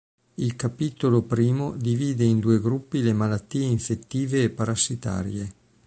Il Capitolo I divide in due gruppi le malattie infettive e parassitarie.